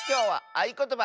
「あいことば」。